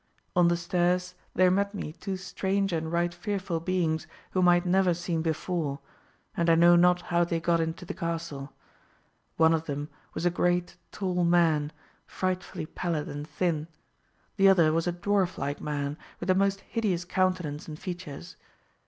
On the stairs there met me two strange and right fearful beings, whom I had never seen before; and I know not how they got into the castle. One of them was a great tall man, frightfully pallid and thin; the other was a dwarf like man, with a most hideous countenance and features.